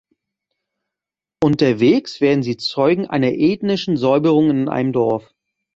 Unterwegs werden sie Zeugen einer ethnischen Säuberung in einem Dorf.